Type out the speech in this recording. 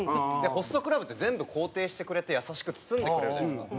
ホストクラブって全部肯定してくれて優しく包んでくれるじゃないですか。